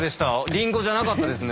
りんごじゃなかったですね。